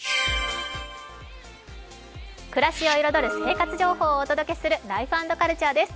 暮らしを彩る生活情報をお届けする「ライフ＆カルチャー」です。